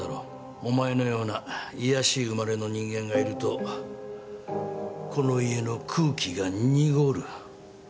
お前のような卑しい生まれの人間がいるとこの家の空気が濁る。